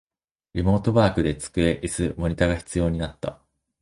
リモートワークで机、イス、モニタが必要になった